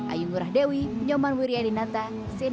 ayungurah dewi nyoman wirianinata sini nenggara